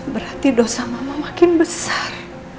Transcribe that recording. berarti dosa mama makin besar